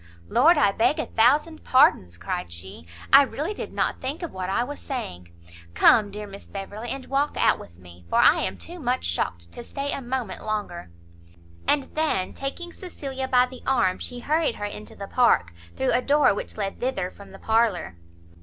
"Lord, I beg a thousand pardons!" cried she, "I really did not think of what I was saying. Come, dear Miss Beverley, and walk out with me, for I am too much shocked to stay a moment longer." And then, taking Cecilia by the arm, she hurried her into the park, through a door which led thither from the parlour.